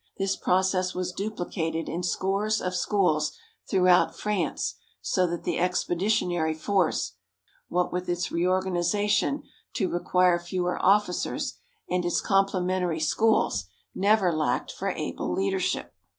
This process was duplicated in scores of schools throughout France, so that the Expeditionary Force, what with its reorganization to require fewer officers, and its complementary schools, never lacked for able leadership.